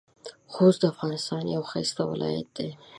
خوست د افغانستان یو ښایسته ولایت دی.